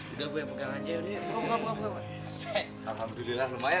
udah bu yang pegang aja ya